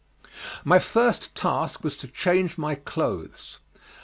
My first task was to change my clothes.